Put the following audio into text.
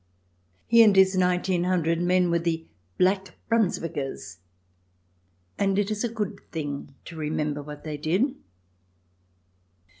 He and his nineteen hundred men were the Black Brunswickers, and it is a good thing to remember what they did.